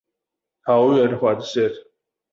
桃園環線